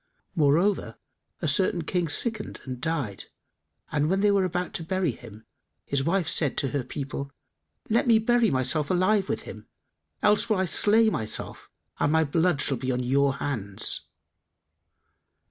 Moreover, a certain King sickened and died, and when they were about to bury him, his wife said to her people: 'Let me bury myself alive with him: else will I slay myself and my blood shall be on your heads.